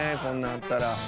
こんなんあったら。